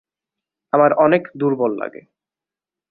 আমার অনেক দুর্বল লাগে।